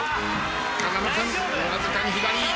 風間君わずかに左。